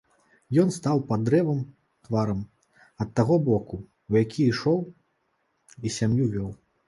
Ён стаў пад дрэвам тварам ад таго боку, у які ішоў і сям'ю вёў.